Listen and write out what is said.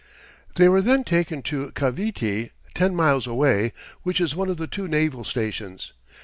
They were then taken to Cavite, ten miles away, which is one of the two naval stations.